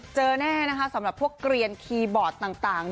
เจอแน่นะคะสำหรับพวกเกลียนคีย์บอร์ดต่าง